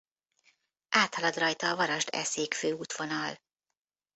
Áthalad rajta a Varasd-Eszék főútvonal.